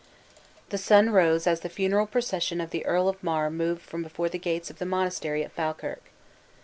The sun rose as the funeral procession of the Earl of Mar moved from before the gates of the monastery at Falkirk.